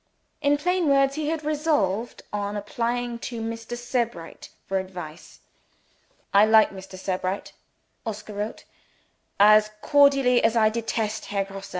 In plain words, he had resolved on applying to Mr. Sebright for advice. "I like Mr. Sebright" (Oscar wrote) "as cordially as I detest Herr Grosse.